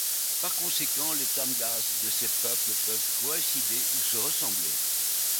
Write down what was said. Par conséquent, les tamgas de ces peuples peuvent coïncider ou se ressembler.